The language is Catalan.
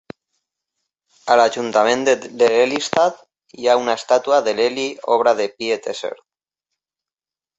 A l'ajuntament de Lelystad, hi ha una estàtua de Lely obra de Piet Esser.